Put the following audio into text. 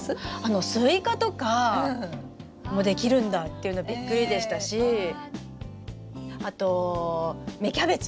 スイカとかもできるんだっていうのはびっくりでしたしあと芽キャベツ？